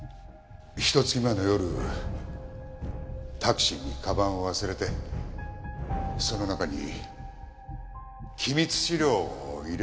ひと月前の夜タクシーにカバンを忘れてその中に機密資料を入れてたんだ。